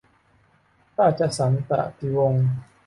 ราชสันตติวงศ์